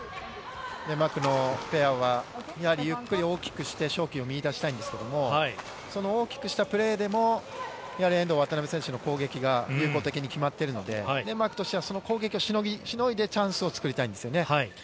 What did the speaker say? デンマークのペアは大きくして勝機を見いだしたいんですけれども、その大きくしたプレーでもやはり遠藤・渡辺選手の攻撃が、有効的に決まってるので、デンマークとしてはその攻撃をしのいでチャンスを作りたいんですよね。